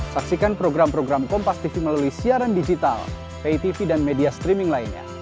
saksikan program program kompastv melalui siaran digital pitv dan media streaming lainnya